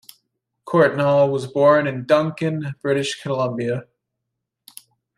Courtnall was born in Duncan, British Columbia.